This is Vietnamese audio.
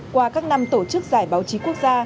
qua các năm tổ chức giải báo chí quốc gia